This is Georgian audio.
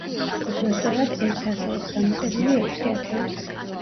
უფრო სწორად, ერთ ასეულს დამატებული ექვსი ათეული.